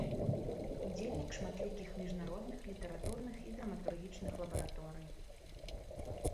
Удзельнік шматлікіх міжнародных літаратурных і драматургічных лабараторый.